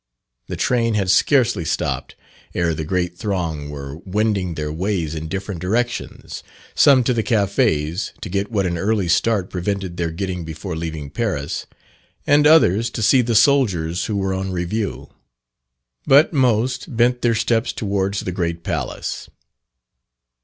The train had scarcely stopped, ere the great throng were wending their ways in different directions, some to the cafés to get what an early start prevented their getting before leaving Paris, and others to see the soldiers who were on review. But most bent their steps towards the great palace.